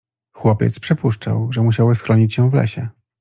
Chłopiec przypuszczał, że musiały schronić się w lesie.